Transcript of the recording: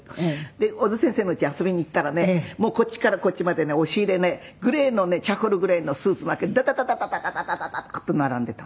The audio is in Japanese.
で小津先生のお家へ遊びに行ったらねもうこっちからこっちまでね押し入れねグレーのねチャコールグレーのスーツばかりダダダダダダダダッと並んでたんです。